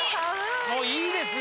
もういいですよ。